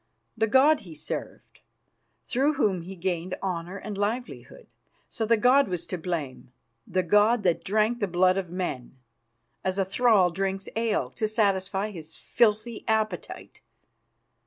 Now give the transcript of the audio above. The god he served, through whom he gained honour and livelihood. So the god was to blame, the god that drank the blood of men, as a thrall drinks ale, to satisfy his filthy appetite.